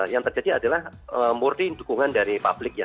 yang terjadi adalah murni dukungan dari publik ya